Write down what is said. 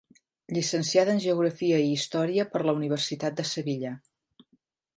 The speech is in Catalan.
Llicenciada en Geografia i Història per la Universitat de Sevilla.